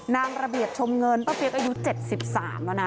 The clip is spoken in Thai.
นางระเบียบชมเงินป้าเปี๊ยกอายุ๗๓แล้วนะ